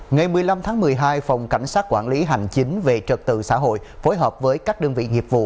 ngày một mươi năm tháng một mươi hai phòng cảnh sát quản lý hành chính về trật tự xã hội phối hợp với các đơn vị nghiệp vụ